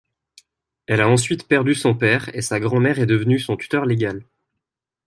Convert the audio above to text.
Elle a ensuite perdu son père, et sa grand-mère est devenue son tuteur légal.